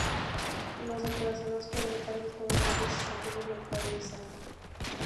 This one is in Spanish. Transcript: Los acorazados fueron encargados con los nombres de "Santiago" y "Valparaíso".